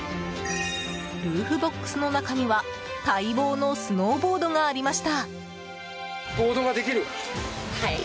ルーフボックスの中には待望のスノーボードがありました。